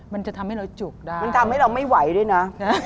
มันจะทำให้เราจุกได้มันทำให้เราไม่ไหวด้วยนะ